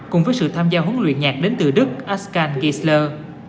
cùng với sự tham gia huấn luyện nhạc đến từ đức ascan guisler